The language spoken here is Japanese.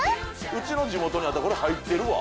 うちの地元にあったらこれ入ってるわ。